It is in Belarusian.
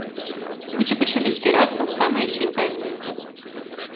Людзі пачалі збірацца ў самае світанне.